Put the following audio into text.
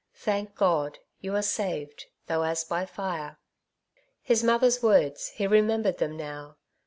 '' Thank God, yoa are saved, though as by fire !" His mother's words — ^he remembered them now.